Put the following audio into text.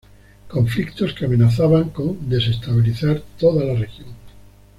Conflictos que amenazaban con desestabilizar toda la región.